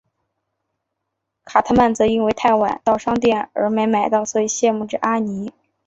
卡特曼则因为太晚到商店而没买所以羡慕着阿尼。